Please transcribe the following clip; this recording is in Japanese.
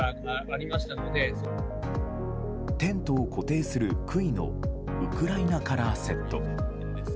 テントを固定する杭のウクライナカラーセット。